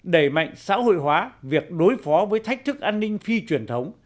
đẩy mạnh xã hội hóa việc đối phó với thách thức an ninh phi truyền thống